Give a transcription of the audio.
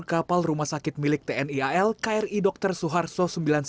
kapal rumah sakit milik tni al kri dr suharto sembilan puluh sembilan